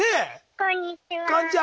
こんにちは。